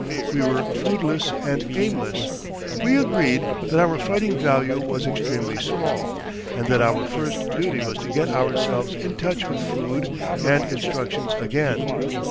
We were foodless and aimless. We agreed that our fighting value was extremely small, and that our first duty was to get ourselves in touch with food and instructions again.